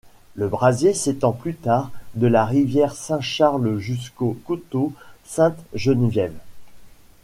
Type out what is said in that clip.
Le brasier s'étend plus tard de la rivière Saint-Charles jusqu'au coteau Sainte-Geneviève.